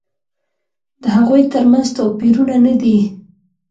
د هغوی تر منځ توپیرونه نه دي.